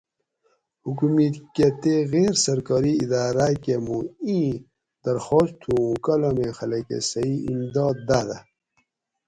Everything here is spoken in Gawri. حکومِت کہ تے غیر سرکاری اِداۤراۤ کہ مُوں اِیں درخاس تُھو اُوں کالامیں خلق کہ صحیح امداد داۤدہ